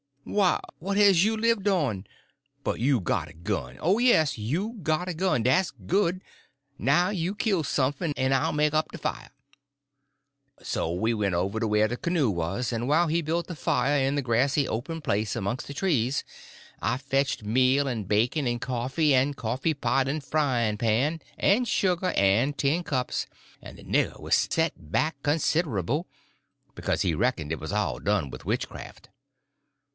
W'y, what has you lived on? But you got a gun. Oh, yes, you got a gun. Dat's good. Now you kill sumfn en I'll make up de fire." So we went over to where the canoe was, and while he built a fire in a grassy open place amongst the trees, I fetched meal and bacon and coffee, and coffee pot and frying pan, and sugar and tin cups, and the nigger was set back considerable, because he reckoned it was all done with witchcraft.